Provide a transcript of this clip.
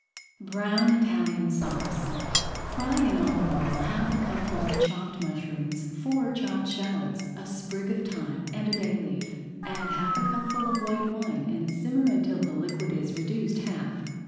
BROWN ITALIAN SAUCE Fry in olive oil half a cupful of chopped mushrooms, four chopped shallots, a sprig of thyme, and a bay leaf. Add half a cupful of white wine and simmer until the liquid is reduced half.